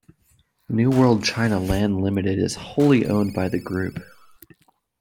New World China Land Limited is wholly owned by the Group.